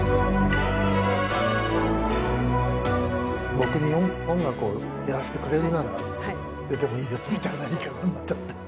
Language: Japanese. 僕に音楽をやらせてくれるなら出てもいいですみたいな言い方になっちゃって。